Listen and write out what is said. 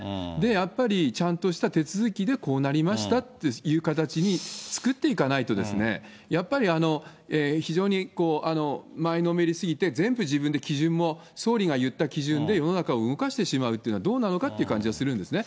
やっぱりちゃんとした手続きでこうなりましたっていう形で作っていかないとですね、やっぱり非常に、前のめりすぎて、全部自分で基準も、総理が言った基準で世の中を動かしてしまうというのは、どうなのかって感じがするんですね。